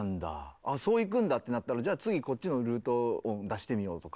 あそういくんだってなったらじゃあ次こっちのルート音出してみようとか。